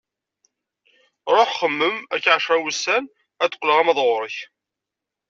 Ruḥ xemmem, akka ɛecra n wussan ad d-qqleɣ alma d ɣur-k.